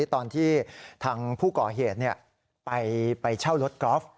ตอนที่ทางผู้ก่อเหตุไปเช่ารถกอล์ฟ